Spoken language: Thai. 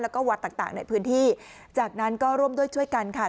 แล้วก็วัดต่างในพื้นที่จากนั้นก็ร่วมด้วยช่วยกันค่ะ